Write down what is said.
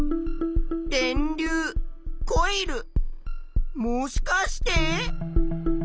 電流コイルもしかして？